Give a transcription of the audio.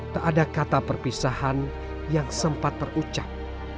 tak ada kata perpisahan yang sempat terucap